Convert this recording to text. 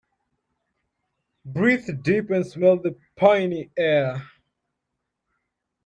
Breathe deep and smell the piny air.